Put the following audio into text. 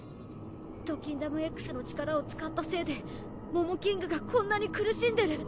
ドキンダムＸの力を使ったせいでモモキングがこんなに苦しんでいる。